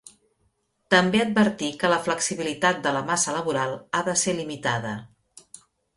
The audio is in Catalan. També advertí que la flexibilitat de la massa laboral ha de ser limitada.